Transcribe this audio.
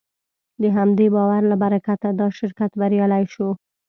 د همدې باور له برکته دا شرکت بریالی شو.